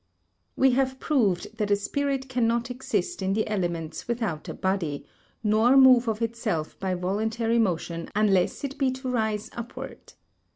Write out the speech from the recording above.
We have proved that a spirit cannot exist in the elements without a body, nor move of itself by voluntary motion unless it be to rise upwards.